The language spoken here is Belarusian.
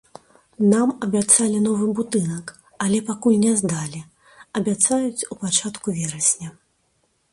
Нам абяцалі новы будынак, але пакуль не здалі, абяцаюць у пачатку верасня.